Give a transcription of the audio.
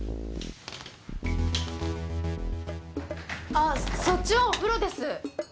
あっそっちはお風呂です。